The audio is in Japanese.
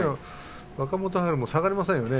若元春も下がりません。